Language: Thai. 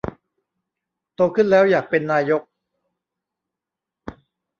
โตขึ้นแล้วอยากเป็นนายก